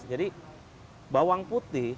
jadi bawang putih